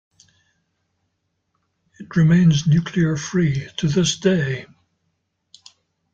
It remains nuclear free to this day.